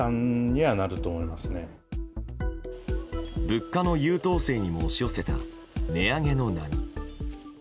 物価の優等生にも押し寄せた値上げの波。